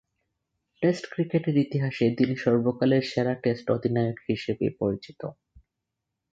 Test ক্রিকেটের ইতিহাসে তিনি সর্বকালের সেরা টেস্ট অধিনায়ক হিসেবে পরিচিত।